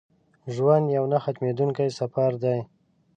ژوند یو نه ختمېدونکی سفر دی.